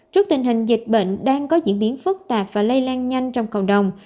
trước tình hình dịch bệnh đang có diễn biến phức tạp và lây lan nhanh trong cộng đồng